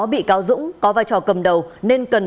bị cáo dũng có vai trò cầm đầu nên cần